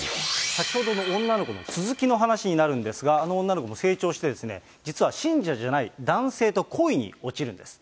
先ほどの女の子の続きの話になるんですが、あの女の子も成長して、実は信者じゃない男性と恋に落ちるんです。